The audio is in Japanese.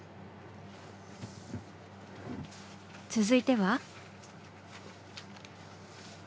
続いては？